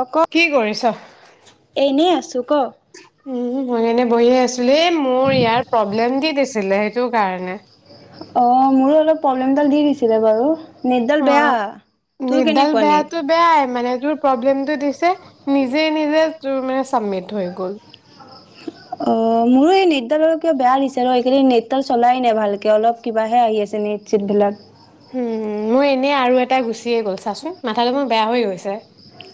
অক কি কৰিছ? এনে আছো। শুক। উম মই এনে বহিয়ে আছো। মোৰ ইয়াৰ প্ৰব্লেম দি দিছিল। আছিলে সেইটো কাৰণে। [inaudible] অ মোৰো অলপ প্ৰব্লেমডাল দি দিছিলে বাৰু। নেটডাল অ বেয়া, তোৰ নেট ডাল কেনেকুৱা নেট? বেয়াটো বেয়াই মানে তোৰ প্ৰব্লেমটো দিছে নিজে নিজে। তোৰ মানে চাবমিট হৈ গল। অ মোৰো এই নেটডাল কিবা বেয়া দিছে ৰ এইকেইদিন নেটডাল চলাই নাই ভালকে অলপ কিবাহে আহি আছে নেট চেট বিলাক। হুম, মোৰ এনেই আৰু এটা গুচিয়ে গ'ল চাচোন, মাথাটো মোৰ বেয়া হৈ গৈছে।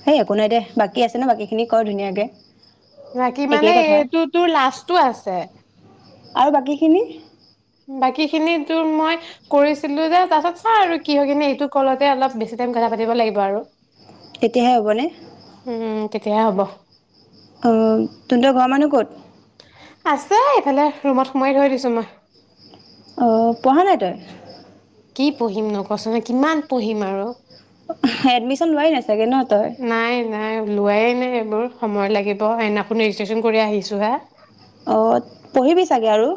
হেই একো নাই দে, বাকী আছে ন বাকী খিনি কৰ ধুনীয়াকে। বাকী একেই মানে, কথা এইটো তোৰ লাস্টো আছে। আৰু বাকীখিনি? বাকী খিনি তোৰ মই কৰিছিলো যে, তাৰ পাছত চা আৰু কিবা-কিনি এইটো কলতে অলপ বেছি টাইম কথা পাতিব লাগিব আৰু? তেতিয়াহে হ'বনে উম তেতিয়াহে হ'ব। অ' তহতৰ ঘৰ মানুহ ক'ত? আছে এইফালে, ৰুমত সোমাই থৈ দিছো মই। অ' পঢ়া নাই তই? কি পঢ়িম নো ক চোন, কিমান পঢ়িম আৰু? এডমিশন লোৱাই নাই চাগে ন তই? নাই, নাই ওলোৱাই নাই এইবোৰ। সময় লাগিব, সেইদিনাখনে ৰেজিষ্ট্ৰেশচন কৰি আহিছো হে। অ' পঢ়িবি চাগে- আৰু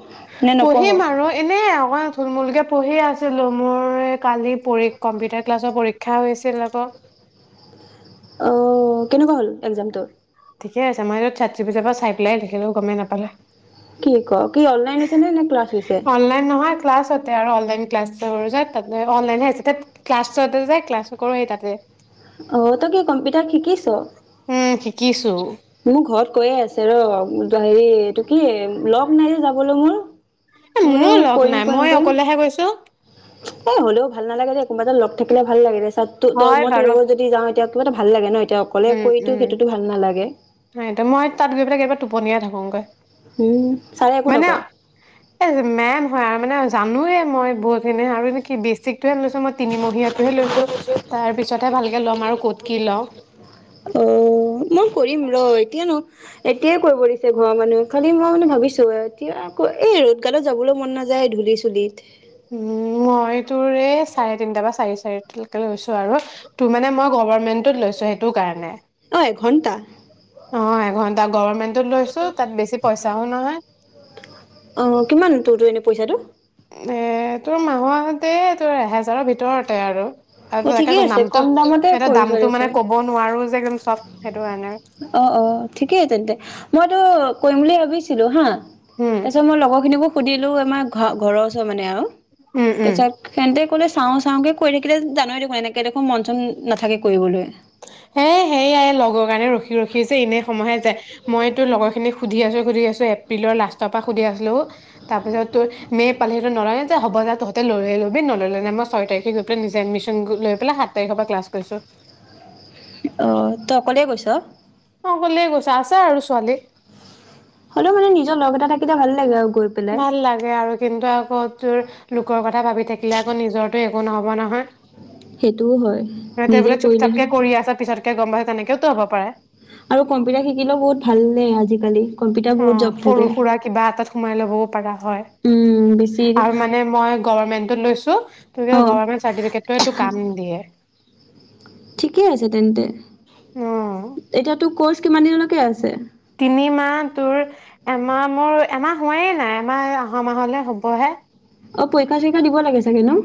নে নপঢ়? পঢ়িম আৰু এনেই থুল-মূলকৈ পঢ়ি আছিলোঁ, মোৰ কালি পৰিক কম্পিউটাৰ ক্লাছৰ পৰীক্ষা হৈ আছিল আকৌ। অঅ কেনেকুৱা হ'ল এক্সামটো? ঠিকে আছে, মই [unintelligible] পৰা চাই পেলাই লেখিলো গমেই নাপালে। কি কওঁক? কি অনলাইন হৈছে নে, নে ক্লাছ হৈছে? অনলাইন নহয় ক্লাছতে আৰু অনলাইন ক্লাছ এটা কৰিছো তাতে, অনলাইন হে আহিছে ধেৎ, ক্লাছতে যে ক্লাছো কৰো সেই তাতেই। অ তই কি কম্পিউটাৰ শিকিছ? উম শিকিছো মোৰ ঘৰত- কৈয়ে আছে ৰ- হেৰি এইটো কি লগ নাই যে যাব। বোলো মোৰ। এ মোৰ বোলো মোৰো লগ কৰিম, নাই কৰিম, মই কৰিম, অকলেহে গৈছো এ হ'লেও ভাল নালাগে দে কোনোবা এটা লগ- থাকিলে ভাল লাগে দে- তাতো তই মই তোৰ লগত যদি- [unintelligible] কিবা এটা ভাল লাগে ন? এতিয়া অকলে উম্ কৰিতো উম্ সেইটোতো ভাল নালাগে সেইটো, মই তাত গৈ পেলাই কেতিয়াবা টোপনিয়াই থাকোগৈ। উম ছাৰে একো মানে নকয় এই যে মেন হয় আৰু - তাৰ মানে জানোয়ে মই বহুত খিনি আৰু এনে কি বেসিক- এইটো হে লৈছো মই তিনিমহীয়াটোহে লৈছো, তাৰ পিছতহে ভালকে ল'ম আৰু ক'ত কি লওঁ। অঅঅ মই কৰিম ৰ এতিয়া- এতিয়াই কৰিব দিছে ঘৰৰ মানুহে, খালি মই মানে ভাবিছো এতিয়া আকৌ, এই ৰ'দ গালত যাবলৈ মন নাযায় ধূলি-চুলিত। উম্ মই তোৰ এই চাৰে তিনটা পা চাৰে চাৰিটা লেকৈ লৈ লৈছো আৰু তোৰ মানে মই গভাৰ্ণমেণ্ট - লৈছো সেইটো কাৰণে। ঘণ্টা। অ এঘন্টা গভৰ্মেণ্টত লৈছো তাত বেছি পইচাও নহয়। অ', কিমান তোৰতো এনে পইচাটো। এ তোৰ মাহতে তোৰ এহেজাৰৰ ভিতৰতে আৰু। অ', আৰু ঠিকেই তাকেটো আছে নামটো কম দামতে এনে কৰিছ দামটো মানে দেখোন। কব নোৱাৰো। যে একদম চব সেইটো কাৰণে অ অ ঠিকেই তেন্তে মইতো কৰিম বুলি ভাবিছিলো হা। উম তাৰপিছত মই লগৰ খিনিকো। সুধিলো আমাৰ ঘৰ, ঘৰৰ ওচৰত মানে আৰু উম উম তাৰপিছত হেন্তে কলৈ চাওঁ চাওঁ কে কৈ থাকিলে জানোৱেই দেখোন এনেকে দেখোন মন চন নাথাকে কৰিবলৈ। সে সেয়াই লগৰ কাৰণে ৰখি ৰখি জে এনে সময়হে যায়। মই তোৰ লগৰখিনিক সুধি আছোঁ সুধি আছোঁ এপ্ৰিলৰ লাষ্টৰ পৰা সুধি আছিলোঁ তাৰপিছত তোৰ মে' পালহো নলয়নে যে হ'ব যে তহঁতে লৈ ল'বি নল'লে নে মই ছয় তাৰিখে গৈ পেলাই নিজে এডমিশ্যন লৈ পেলাই সাত তাৰিখৰ পৰা ক্লাছ কৰিছোঁ। অ তই অকলে গৈছ? অ কলে গৈছে আছে আৰু ছোৱালী হলেও মানে নিজৰ লগ এটা থাকে। সেইয়া ভাল লাগে অ ভাল লাগে আৰু কিন্তু আকৌ তোৰ লোকৰ কথা ভাবি থাকিলে আকৌ নিজৰ [unintelligible] একো নহব নহয় সেইটোও হয় সিহঁতে নিজে বোলে চুপ চাপকে কৰিলেহে কৰি [unintelligible] গম পাই তেনেকেও তো হ'ব পাৰে আৰু কম্পিউটাৰ শিকিলেও বহুত ভাল আজিকালি কম্পিউটাৰ অ বহুত জব সৰু থাকে সুৰা কিবা এটাত সোমাই লও উম, বেছি [unintelligible] আৰু মানে মই গভৰ্মেন্টত লৈছো [unintelligible] অ'। গভৰ্মেণ্ট চাৰ্টিফিকেট টোয়ে টো কাম দিয়ে ঠিকে আছে তেন্তে উম এতিয়াতো [unintelligible] কিমান দিনলৈকে আছে তিনি মাহ তোৰ এমাহ মোৰ এমাহ হোৱাইেই নাই এমাহ অহা মাহলে হ'বহে অ পৰীক্ষা চৰীক্ষা দিব লাগে চাগে ন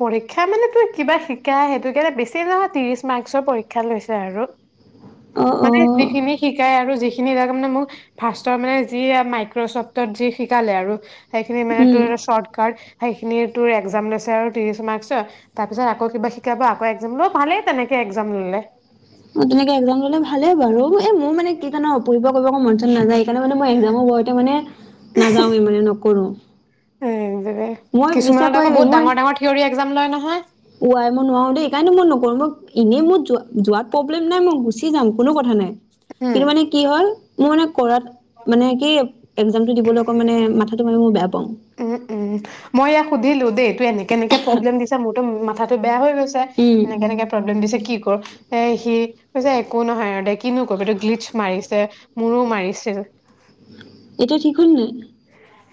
পৰীক্ষা মানে তোৰ কিবা শিকা সেইটো কে বেছি নহয় ত্ৰিশ মাৰ্কচৰ পৰীক্ষা লৈছে আৰু অ' মানে অ' যিখিনি শিকাই আৰু যিখিনি [unintelligible] মানে মোক ফাৰ্ষ্টৰ মানে যি মাইক্ৰচফ্টত যি শিকালে আৰু সেইখিনে মানে উম তোৰ শৰ্টকাট সেইখিনি তোৰ একজাম লৈছে আৰু [unintelligible] তাৰ পাছত আকৌ কিবা শিকাব আকৌ একজাম লব ভালেই তেনেকে একজাম ললে অ, তেনেকে একজাম ললে ভালে বাৰু এ মোৰ মানে কি জান? পঢ়িব কৰিব মন [unintelligible] নাযায়। সেইকাৰণে মানে মই একজামো বৰ এটা মানে নাযাওৱে মানে নকৰো। উম', কিছুমানত আকৌ বহুত ডাঙৰ ডাঙৰ থিয়ৰি এক্সজাম লয় নহয় ও ৱাই মই নোৱাৰো দেই ল, এইকাৰণেটো মই নকৰো। মই এনেই মোৰ যোৱা-যোৱাত প্ৰব্লেম নাই, মই গুচি যাম কোনো কথা নাই উম, কিন্তু মানে কি হ'ল মোৰ মানে কৰাত মানে কি, একজামটো দিবলৈ অকণ মানে মাথাটো মানে [unintelligible] উম', উম', মই ইয়াক সুধিলো দেই এইটো এনেকে এনেকে প্ৰব্লেম দিছে মোৰতো মাথাত বেয়া হৈ গ উম [unintelligible] এনেকে এনেকে প্ৰব্লেম দিছে কি এ সি কৈছে একো নহয় আৰু দে কিনো কবি এইটো গ্লিটছ মাৰিছে মোৰো মাৰি [unintelligible] এতিয়া ঠিক হল নাই?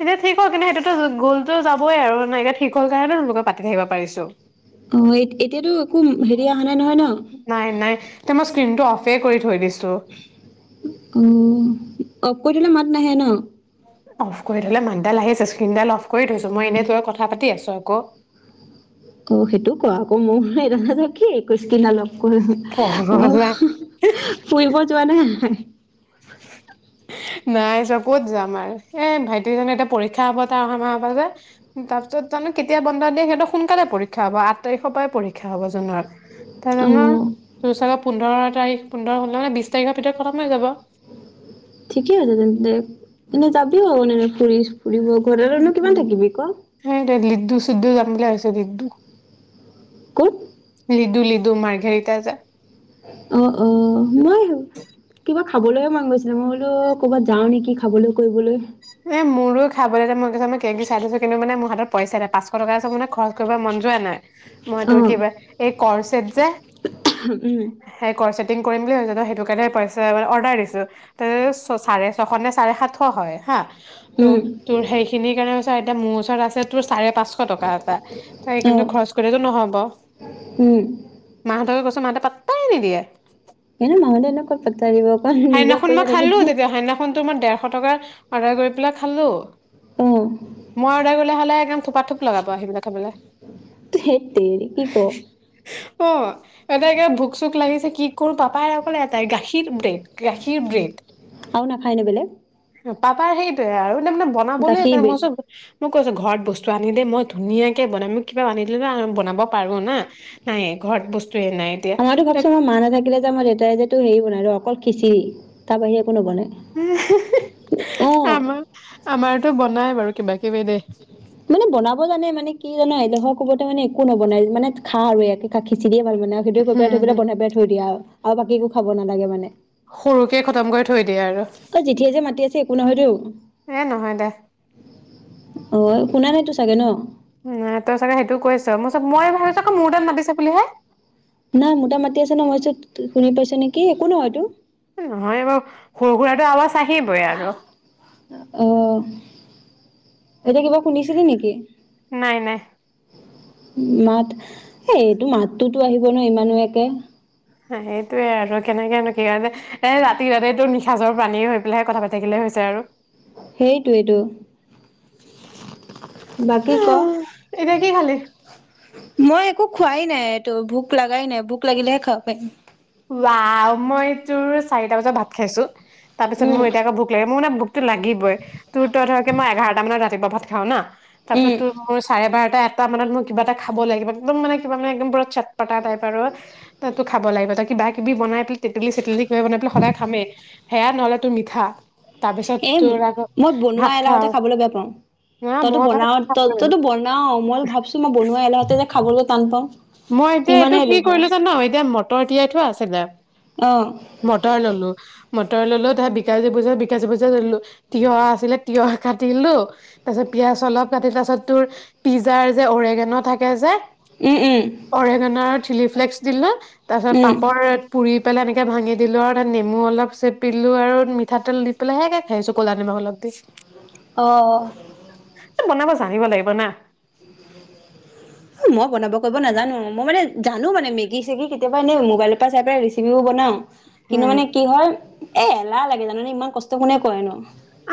এতিয়া ঠিক হল কিন্তু সেইটোতো গ'লতো যাবই আৰু এতিয়া ঠিক হ'ল কাৰণেটো তোৰ লগত পাতি থাকিব পাৰিছো অ', এতিয়াতো একো হেৰি অহা নাই নহয় ন? পে কৰি থৈ দিছো। [inaudible] উম', অ', [unintelligible] কৈ থলে মাত নাহে ন? অফ কৰি থলে মাতডাল আহি আছে। স্কিনডাল অফ কৰি থৈছো, মই ইনেই তোৰ লগত কথা পাতি আছো আকৌ অ সেইটো ক আকৌ [unintelligible] [unintelligible] কৰি, মই পগলা ফুৰিব যোৱা নাই [unintelligible] [inaudible] নাই যোৱা ক'ত যাম আৰু, এ ভাইটি জানো এতিয়া পৰীক্ষা হব তাৰ অহা মাহৰ পা যে, তাৰ পিছত জানো কেতিয়া বন্ধ দিয়ে সিহতৰ সোনকালে পৰীক্ষা হব আঠ তাৰিখৰ পৰাই পৰীক্ষা হব জুনৰ। তাৰ জানো অ', [inaudible] তোৰ চাগে পোন্ধৰ তাৰিখ, পোন্ধৰ হ'ল নহয়, বিছ তাৰিখৰ ভিতৰত খতম হৈ যাব। ঠিকে আছে তেন্তে। এনেই যাবিও [unintelligible] ফুৰি [unintelligible] ঘৰত [unintelligible] কিমান থাকিবি ক? লিদু চিদ্ধু জমিল আছে লিদু কুক লি দু মাৰঘেৰিটা আ যে, অ' অ' মই কিবা খাবলৈয়ে মন গৈছিলে মই বোলো ক'ৰবাত যাওঁ নেকি খাবলৈ কৰিবলৈ এ মোৰো খাবলৈ মই কছ মই কে কি চাই দিছো কিন্তু মে মোৰ হাতত পইচা ন পাঁচশ টকা চব মানে খৰচ কৰিব মন যোৱা নাই মই অ তোৰ কিবা এই কৰচ হেৰী যে, উম কৰিম বুলি ভাবছ সেইটো কাৰণে পইচা মে অৰ্ডাৰ দিছোঁ ত ছ চাৰে ছশ নে চাৰে সাতশ হয় হা ত তোৰ উম সেইখিনিৰ কাৰণে এতিয়া মোৰ ওচৰত আছে তোৰ চাৰে পাচ শ টকা এটা হেৰী অ কিন্তু খৰছ কৰিলে নহ'ব উম মা হতে মাহতে পাত্তাই নিদিয়ে, সকাৰে মানুহলে এনেক কত পত দিব অকণ নিজৰ সেইদিনাখন মই পইচা থাকি খালোঁ ন আদাৰ কৰি পেলাই খালোঁ মই অৰ্ডাৰ অ' হ'লে এম থোপা থোপ লগাব সেইবিলাক খাবলে ধেৎ তেৰি কি ক অ' এতাই ভোক চোক লাগিছে কি কৰো পাপাই কলে এটাই গাখীৰ ব্ৰেড গাখীৰ ব্ৰেড আৰু নাখায় নে বেলেগ পাপা সেইটোৱে আৰু মে মানে বনাবলৈ গাখীৰ সেইকাৰণে বে ম কৈছো মোক কৈছো ঘৰত বস্তু আনি দেেই মই ধুনীয়াকে বনাম মোক কিবা আনিলো ন বনাব পাৰো না নাইে ঘৰত বস্তু আমাতো ভাব ছোন মা নাথাকিলে যে দে যে তটো হেৰি বনাই ৰ অকল খিচিৰি তাৰ বাহিৰে একো নবনাই এ হে অ', আমাৰ আমাৰতো বনাই বাৰু কিবা কিবি দেই মানে বনাব জানে মানে কি জানো এডোখৰ ক'বতে মানে একো নবনাই মানে খা আৰু একে খা খিচ দিয়ে ভাল মানে আৰু সেইটোৱে কৈ পেলাই হম থৈ পেলাই হম বনাই পেলাই থৈ দিয়া আৰু বাকীো খাব নালাগে মানে সৰুকে খতম কৰি থৈ দিয়ে আৰু অ জেঠিয় যে মাতি আছে একো নহয়তো এ নহয় দে অ শুনা নেইতটো চাগে ন তই চাগে সেইটোও কৈছ মোৰ চ মই ভাবিছ আকৌ মোৰ তাত মাতিছে বুলিহে নাই মোটাা মাতি আছে ন মই চোত শুনি পাইছো নেকি একো নহয়তো নহয় এইবাৰ সৰু সুৰাটো আৱাজ চাহিবই আৰু অ', এতিয়া কিবা শুনিছিলে নেকি নাই নাই মাত এ এইটো মাতটো টো আহিব ন ইমানো একে সেইটোয়ে আৰু কেনেকেনো কি কাৰণ যে এ ৰাতি ৰাতিটো নিসাঁচৰ প্ৰাণী হৈ পেলাই কথা পাতি থাকিলেহে হৈছে আৰু সেইটোৱেইটো বাকী ক এতিয়া কি খালি মই [unintelligible] একো খোৱাই নাই এইটো ভোক লগাই নাই ভোক লাগিলেহে খাব পাৰিম ৱা মই তোৰ চাৰিটা বজাত ভাত খাইছো তাৰ পিছত মোৰ উম এতিয়া আকৌ ভোক লাগে মোৰ মানে লাগিবই তোৰ তো ধৰ কি মই এঘাৰটা মানত ৰাতিপুৱা ভাত খাও না তাৰপিছত উম তোৰ চাৰে বাৰ এ এটা মানত মই কিবা এটা খাব লাগিব একদম মানে কিবা মানে একদম ব চট পতা টাইপ আৰু তো খাব লাগিব ত কিবাকিবি বনাই কি তেতেলি-চেতেলি বনাই পালে সদায় খামেই সেয়া নহ'লে তো মিঠা তাৰপিছত এ তোৰ আকৌ মই বনোৱা ভাত এলাহতে খাওঁ খাবলৈ বেয়া পাও না তইতো মই ভাত বনাও ত খাবই। তইতো বনাও মই ভাবিছো মই বনোৱা এলাহতে যে খাবলৈ টান পাওঁ মই এতিয়া এইটো ইমানেই কি এলেহুৱা কৰিলো জান এতিয়া ম উতৰ তিয়াই থোৱা আছিলে অ মটৰ ললো মটৰ ললো তাৰছত বিকাজী পূজা বিকাজী পূজালো তিয়হ আছিলে তিয়হ কাটিলো তাৰ পাছত পিয়াজ অলপ কাটি তাৰপাছত তোৰ পিজ্জাৰ যে অওৰেগেনৰ থাকে যে উম উম অৰেগানাত চিলি ফ্লেক্স দিলো তাৰ পিছত উম পাপৰ পুৰি দি পেলাই এনেকৈ ভাঙি দিলোঁ আৰু তাত নমু অল চেপিলোঁ আৰু মিঠাতেল দি পেলাই সেয়াকৈ খাইছোঁ ক'লা নিমখ অলপ দি অঁ বনাব জানিব লাগিব না মই বনাব কৰিব নাজানো মই মানে জানো মানে মেগী চেগি কেতিয়াবা এনে মবাইলৰ পৰা চাই পাই ৰেচিপিবোৰ বনাও কিন্তু উম মানে কি হল এ এলাহ লাগে জানানে ইমান কষ্ট কোনে কৰে নু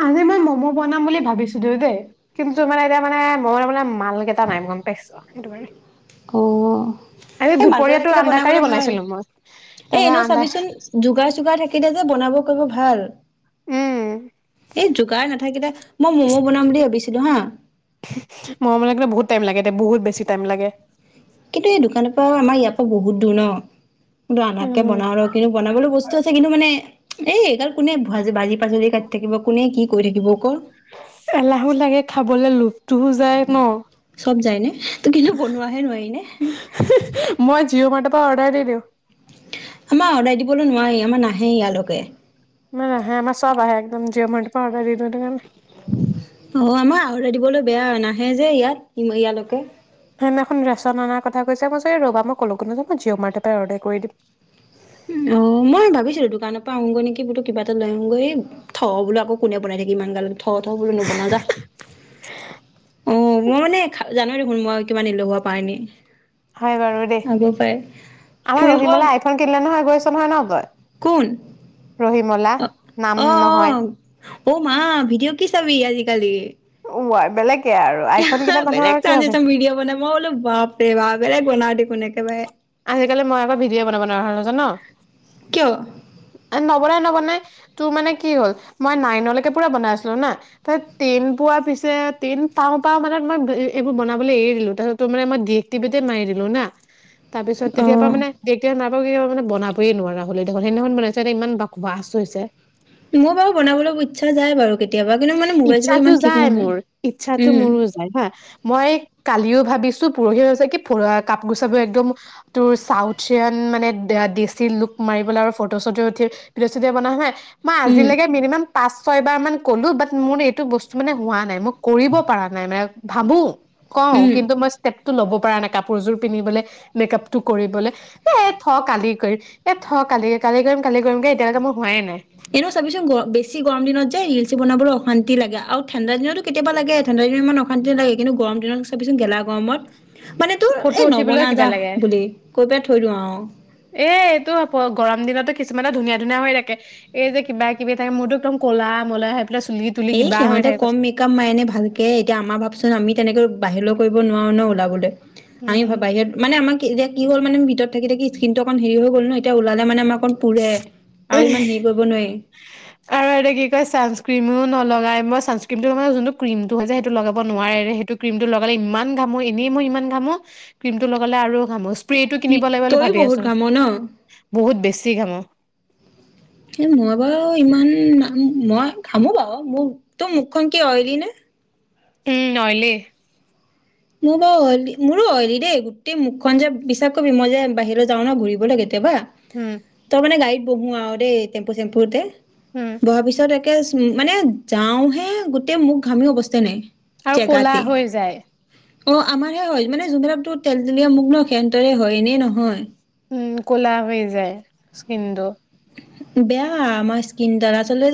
আজি মই ম'ম' বনাম বুলি ভাবিছো দেও দেই কিন্তু এতিয়া মানে মই মানে মালকেইটা নাই গমপাইছ এটোবাৰে অ এই মাৰ্কেটত থাকিলে আন্দা কাৰী বনাবলৈ ভাল বনাইছিলো মই এ তাৰপিছত এনেও আন্দা চাবিচোন যোগাৰ চোগাৰ থাকিলে যে বনাব কৰিব ভাল। উম এই যোগাৰ নাথাকিলে মই মমো বনাম বুলি ভাবিছোঁ হা মৰম লাগিলে বহুত টাইম লাগে দে বহুত বেছি টাইম লাগে কিন্তু এই দোকানৰ পৰা আমাৰ ইয়াৰ পৰা বহুত দূৰ ন কিন্তু আনাৰকে উম বনাওঁ আৰু কিন্তু বনাবলৈ বস্তু আছে কিন্তু মানে এই গাল কোনে ভাজি বাৰীৰ পাচলি কাটি থাকিব কোনে কি কৰি থাকিব ক এলাহো লাগে খাবলৈ লোভ তোও যায় ন? চব যায় নে ত কিন্তু বনোৱাহে নোৱাৰি নে হে হে মই জিঅ' মাৰ্ট অ অৰ্ডাৰ দি দিউ আমাৰ অৰ্ডাৰ দিবলৈ নোৱাৰি আমাৰ নাহে ইয়ালৈকে। আমাৰ আহে আমাৰ সব আহে একদম জিঅ' মাৰ্টৰ পৰা অৰ্ডাৰ দিওঁ সেইটো কাৰণে অ আমাৰ অৰ্ডাৰ দিবলৈ বেয়া নাহে যে ইয়াত ইয়ালৈকে। সেইদিনাখন ৰেচন অনাৰ কথা কৈছে কৈছোঁ এই ৰ'বা মই ক'লো নাযাওঁ মই জিঅ' মাৰ্টৰ পৰাই অৰ্ডাৰ কৰি দিম। অ মই ভাবিছিলোঁ দোকানৰ পৰা আহোগৈ নেকি বোলো কিবা এটা লৈ আহোগৈ--থ' বোলো আকৌ কোনে বনাই থাকি ইমান গাল থ থ বুলো নবনাওঁ যা। অ মই মানে খা জান‌ই দেখোন মই কিমান এলেহুৱা প্ৰাণী হয় বাৰু দেই। আগৰ পৰাই আমাৰ ফুৰিব ৰহিমলা আইফোন কিনিলে নহয় গৈছে তোমাৰ ন কোন? ৰহিমলা অ নাম অ নহয়। অ মা ভিডিঅ' কি চাবি আজিকালি অ আই বেলেগ এহহা বেলেগ চানজেচন ভিডিঅ' বনাও, মই বোলো বাপৰে বাপ বেলেগ বনাওঁ দেখোন একেবাৰে আজিকালি মই আকৌ ভিডিঅ' বনাব নোৱাৰা হলোঁ জান কিয়? এ ন- বনায় নবনায়, তোৰ মানে কি হল? মই নাইনলৈকে পুৰা বনাই আছিলোঁ না, তাত টেন পোৱা পিছে টেন পাওঁ পাওঁ মানে মই এইবোৰ বনাবলৈ এৰি দিলোঁ তাৰপিছত তোৰ মানে মই ডিএক্টিভেটে মাৰি দিলোঁ না তাৰ পিছত তেতিয়াৰ পৰা অ'। মানে ডিএক্টিভেট মা মই কিবা মানে বনাবই নোৱাৰা হ'লো দেখোন, সেইদিনাখন বনাইছে এতিয়া ইমান বকবাছ হৈছে মোৰ বাৰু বনাবলৈ ইচ্ছা যায় বাৰু কেতি ইচ্ছাটো যায় মোৰ, ইচ্ছাটো উম, মোৰো যায় হা। মই কালিও ভাবিছোঁ, পৰহি হৈছে কি পুৰা কাপোৰ চাপোৰ একদম তোৰ চাউথিয়ান মানে দেশী লুক মাৰিবলৈ আৰু ফটো চটো উঠি ভিডিঅ চিডিঅ বনোৱা হয়। মই উম, আজিলৈকে মিনিমাম পাঁচ, ছয়বাৰ মান ক'লোঁ, বাট মোৰ এইটো বস্তু মানে হোৱা নাই মোক কৰিব পৰা নাই মানে ভাবোঁ কওঁ, উম, কিন্তু মই স্টেপ তটো ল'ব পৰা নাই কাপোৰযোৰ পিন্ধিবলে, মেকআপ টো কৰিবলে। এ, থ কালি কৰিম এ, থ কালি-কালি কৰিম কালি কৰিম কে এতিয়ালৈকে মোৰ হোৱাই নাই। এনেও চাবিচোন গ বেছি গৰম দিনত যে ৰিলচ বনাবলৈ অশান্তি লাগে, আও ঠাণ্ডা দিনতো কেতিয়াবা লাগে ঠাণ্ডা দিনত ইমান অশান্তি নালাগে, কিন্তু গৰম দিনত চাবিচোন গেলা গৰমত মানে তোৰ ফটো এই, উঠিবলৈও নবনাও কিবা যাহ লাগে বুলি কৈ পেলাই থৈ দিওঁ আও। কিছুমানৰ ধুনীয়া-ধুনীয়া হৈ থাকে এই যে, কিবা-কিবি মোৰতটো একদম ক'লা ম'লা হৈ পেলাই চুলি তুলি এই, কিবা হৈ সিহঁতে থাকে কম কৈছে মেকআপ মাইনে ভালকে এতিয়া আমাৰ ভাবচোন আমি তেনেকৈ বাহিৰলৈ কৰিব নোৱাৰোঁ ন ওলাবলৈ। আমি উম বাহিয়ত মানে আমাক এতিয়া কি হ'লা মানে ভিতৰত থাকি-থাকি স্কিনটো অকন হেৰি হৈ গ'ল ন, এতিয়া ওলালে মানে আমা অকণ পুৰে, আৰু ইমান হেৰি কৰিব নোৱাৰি। আৰু এতো কি কয় ছানস্ক্ৰীমো নলগাই, মই ছানস্ক্ৰীমটো নহলে যোনটো ক্ৰীমটো হয় যে সেইটো লগাব নোৱাৰে ৰে সেইটো ক্ৰীম টো লগালে ইমান ঘামো এনেই মই ইমান ঘামো, ক্ৰীম টো লগালে আৰু ঘামো প্ৰিটো কিনিব লাগিব বুলি তইয়ো ভাবি বহুত আছো, ঘাম ন? বহুত বেছি ঘামো। এ, মই বাৰু ইমান মই ঘামো বাও মোৰ, তোৰ মুখখন কি অইলি নে? উম, অইলি। মোৰ বাৰু অইলী, মোৰো অইলী দেই গোটেই মুখখন যে বিশ্বাস কৰিবি মই যে বাহিৰলৈ যাও ন ঘূৰিবলে কে কেতিয়াবা উম তই মানে গাড়ীত পোহোঁ আৰু দেই টেম্পু-চেম্পুতে। উম বহাৰ পিছত এক মানে যাও হে, গোটেই মুখ ঘামি অৱস্থাই নাই। আৰু ক'লা জেগাতে হৈ যায়। অ, আমাৰহে হয় মানে যোনবিলাক তো তেল-তেলীয়া মুখ ন সেহতৰ হে হয় এনেই নহয়। উম, ক'লা হৈ যায়, স্কিনটো। বেয়া আমাৰ স্কিন ডাল আচলতে যে